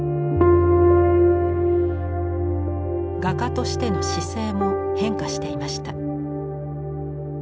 画家としての姿勢も変化していました。